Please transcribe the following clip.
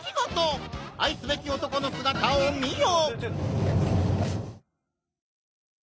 愛すべき男の姿を見よ！